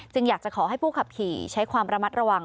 อยากจะขอให้ผู้ขับขี่ใช้ความระมัดระวัง